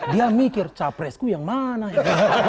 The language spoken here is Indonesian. dia mikir capresku yang mana ya